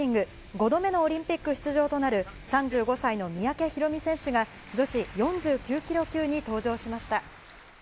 ５度目のオリンピック出場となる３５歳の三宅宏実選手が、女子４９キロ級に登場しました。